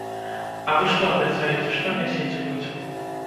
А вы што абяцаеце, што несяце людзям?